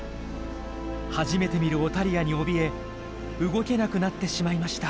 初めて見るオタリアにおびえ動けなくなってしまいました。